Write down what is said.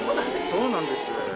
そうなんです。